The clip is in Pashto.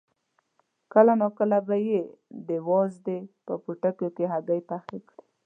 کله ناکله به یې د وازدې په پوټیو کې هګۍ پخه کړه.